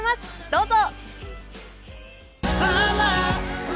どうぞ。